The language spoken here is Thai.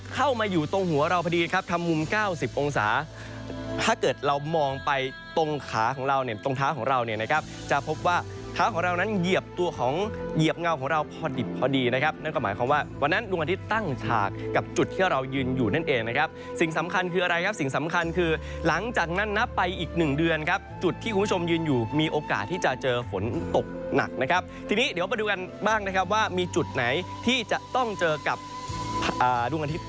จะพบว่าเท้าของเรานั้นเหยียบตัวของเหยียบเงาของเราพอดิบพอดีนะครับนั่นก็หมายความว่าวันนั้นดูอาทิตย์ตั้งฉากกับจุดที่เรายืนอยู่นั่นเองนะครับสิ่งสำคัญคืออะไรครับสิ่งสำคัญคือหลังจากนั้นนะไปอีกหนึ่งเดือนครับจุดที่คุณผู้ชมยืนอยู่มีโอกาสที่จะเจอฝนตกหนักนะครับทีนี้เดี๋ยวเราไปดูกันบ้